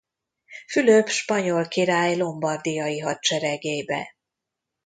Fülöp spanyol király lombardiai hadseregébe.